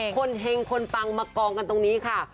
เห็งคนปังมากองกันตรงนี้ค่ะ